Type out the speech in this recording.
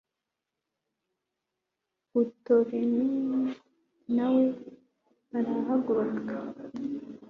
putolemeyi na we arahaguruka